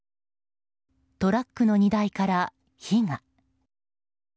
トラックの荷台から火が。